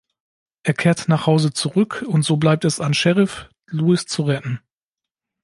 Er kehrt nach Hause zurück und so bleibt es an Sheriff, Lewis zu retten.